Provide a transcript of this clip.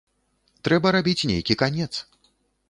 Трэба рабіць нейкі канец.